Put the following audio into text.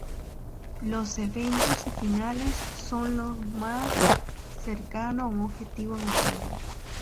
Los eventos y finales son lo más cercano a un objetivo en el juego.